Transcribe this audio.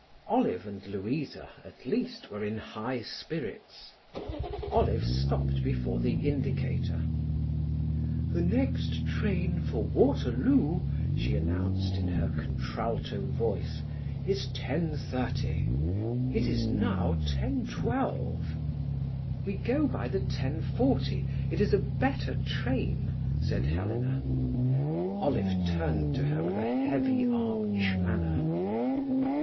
Olive and Louisa, at least, were in high spirits. Olive stopped before the indicator. "The next train for Waterloo," she announced, in her contralto voice, "is 10.30. It is now 10.12." "We go by the 10.40; it is a better train," said Helena. Olive turned to her with a heavy arch manner.